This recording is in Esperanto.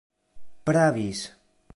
pravis